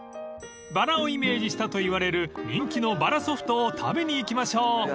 ［バラをイメージしたといわれる人気のバラソフトを食べに行きましょう］